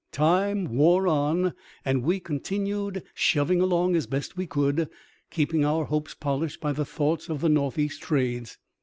Time wore on, and we continued shoving along as best we could, keeping our hopes polished by thoughts of the north east trades.